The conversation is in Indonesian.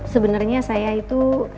sebenernya saya itu